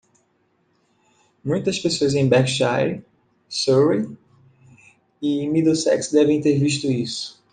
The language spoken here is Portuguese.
Muitas pessoas em Berkshire? Surrey? e Middlesex devem ter visto isso.